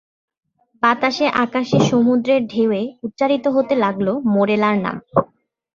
বাতাসে, আকাশে, সমুদ্রের ঢেউয়ে উচ্চারিত হতে লাগল মোরেলার নাম।